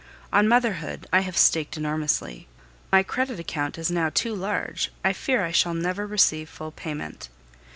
On motherhood I have staked enormously; my credit account is now too large, I fear I shall never receive full payment.